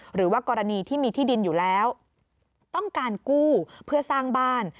หรือว่ากรณีที่มีที่ดินอยู่แล้วต้องการกู้เพื่อสร้างบ้าน